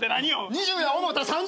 ２０や思うたら３０。